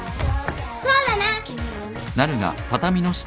そうだな。